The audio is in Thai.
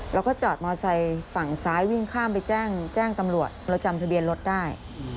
เราก็จอดมอไซค์ฝั่งซ้ายวิ่งข้ามไปแจ้งตำรวจเราจำทะเบียนรถได้